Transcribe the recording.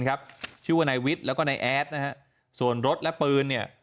ชื่อว่านายวิทย์แล้วก็นายแอดนะฮะส่วนรถและปืนเนี่ย